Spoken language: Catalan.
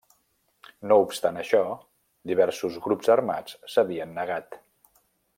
No obstant això, diversos grups armats s'havien negat.